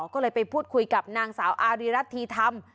ก็เลยไปพูดคุยกับนางสาวอารีรัฐธีธรรม